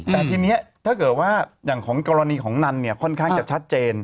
แต่ทีนี้ถ้าเกิดว่าอย่างของกรณีของนันเนี่ยค่อนข้างจะชัดเจน